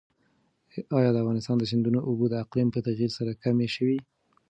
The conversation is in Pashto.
ایا د افغانستان د سیندونو اوبه د اقلیم په تغیر سره کمې شوي؟